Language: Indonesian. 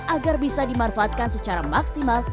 agar bisa dimanfaatkan secara maksimal